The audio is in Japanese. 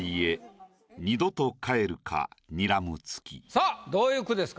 さぁどういう句ですか？